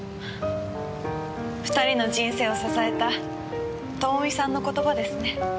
二人の人生を支えた朋美さんの言葉ですね。